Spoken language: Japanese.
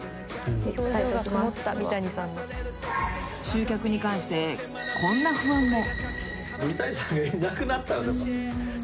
［集客に関してこんな不安も］